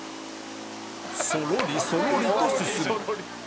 そろりそろりと進む